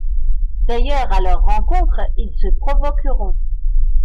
D’ailleurs à leur rencontre ils se provoqueront.